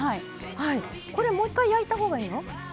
これ、もう一回焼いたほうがいいの？